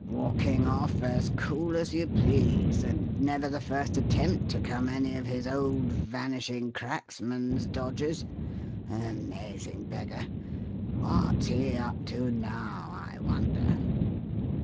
"Walking off as cool as you please and never the first attempt to come any of his old Vanishing Cracksman's dodges. Amazing beggar! What's he up to now, I wonder?"